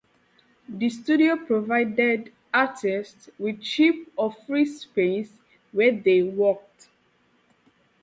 The Studio provided artists with cheap or free space where they worked.